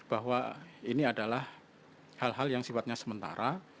bahwa ini adalah hal hal yang sifatnya sementara